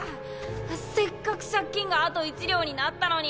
せっかく借金があと一両になったのに。